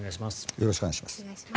よろしくお願いします。